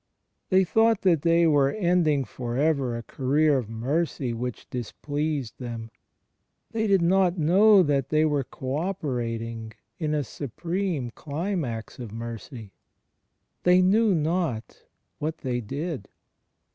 They thought that they were end ing for ever a career of mercy which displeased them; they did not know that they were co operating in a supreme climax of mercy. They knew not what they did.